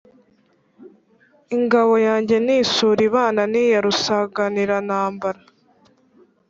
Ingabo yanjye ni isuli ibana n'iya Rusanganirantambara,